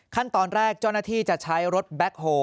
ขั้นตอนแรกเจ้าหน้าที่จะใช้รถแบ็คโฮล